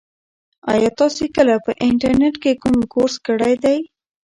ایا تاسي کله په انټرنيټ کې کوم کورس کړی دی؟